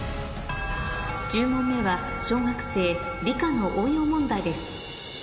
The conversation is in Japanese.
１０問目は小学生理科の応用問題です